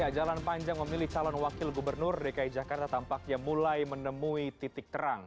jalan panjang memilih calon wakil gubernur dki jakarta tampaknya mulai menemui titik terang